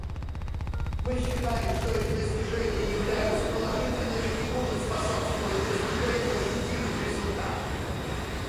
Мы считаем, что эти достижения являются положительными и будут способствовать достижению ощутимых результатов.